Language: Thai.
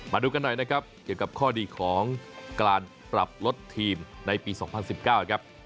มาดูกันหน่อยนะครับเกี่ยวกับข้อดีของการปรับลดทีมในปี๒๐๑๙ครับ